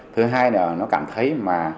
thứ hai là nó cảm thấy mà